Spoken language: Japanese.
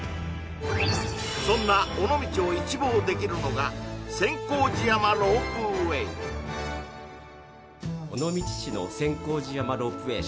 そんな尾道を一望できるのが千光寺山ロープウェイ・尾道市の千光寺山ロープウェイ